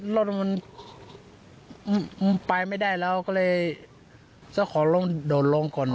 รถมันไปไม่ได้แล้วก็เลยเจ้าของลงโดดลงก่อน